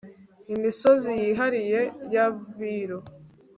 imisozi yihariye y abiru